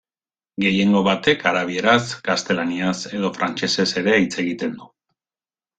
Gehiengo batek arabieraz, gaztelaniaz edo frantsesez ere hitz egiten du.